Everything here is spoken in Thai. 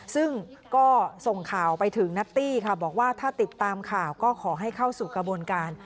ซึ่งก็ส่งข่าวไปถึงนัตตี้ค่ะบอกว่าถ้าติดตามข่าวก็ขอให้เข้าสู่กระบวนการ